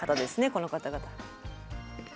この方々。